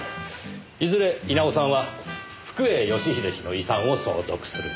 いずれ稲尾さんは福栄義英氏の遺産を相続する。